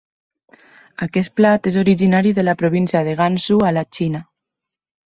Aquest plat és originari de la província de Gansu a la Xina.